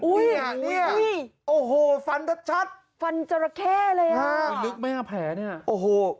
อุ้ยนี่นี่โอ้โหฟันชัดฟันจราแค่เลยอ่ะลึกไหมอ่ะแผลเนี่ยโอ้โห